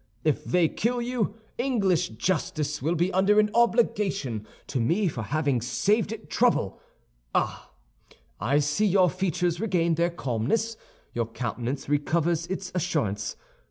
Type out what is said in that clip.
If they kill you, English justice will be under an obligation to me for having saved it trouble. Ah! I see your features regain their calmness, your countenance recovers its assurance.